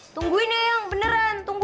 tungguin yang beneran